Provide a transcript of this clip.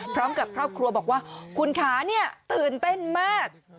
พร้อมกับครอบครัวบอกว่าคุณขาเนี่ยตื่นเต้นมาก